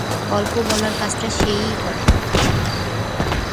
গল্প বলার কাজটা সে-ই করে।